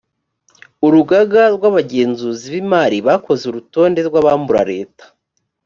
urugaga rwa abagenzuzi b imari bakoze urutonde rwabambura leta